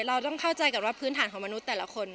เราต้องเข้าใจก่อนว่าพื้นฐานของมนุษย์แต่ละคน